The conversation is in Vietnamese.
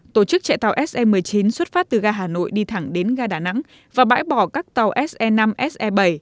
tổ chức chạy tàu se một mươi chín xuất phát từ ga hà nội đi thẳng đến ga đà nẵng và bãi bỏ các tàu se năm se bảy